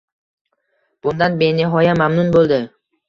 Bundan benihoya mamnun bo’ldi.